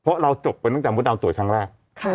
เพราะเราจบไปตั้งแต่มดดำตรวจครั้งแรก